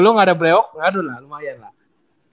lu gak ada brewok ngaruh lah lumayan lah